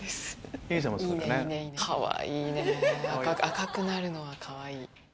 赤くなるのはかわいい。